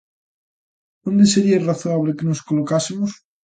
¿Onde sería razoable que nos colocásemos?